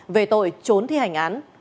về tội trốn thi hành án